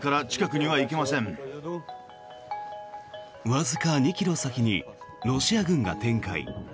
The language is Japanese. わずか２ｋｍ先にロシア軍が展開。